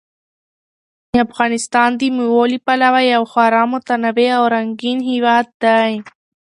افغانستان د مېوو له پلوه یو خورا متنوع او رنګین هېواد دی.